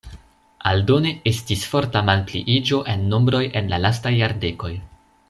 Aldone estis forta malpliiĝo en nombroj en la lastaj jardekoj.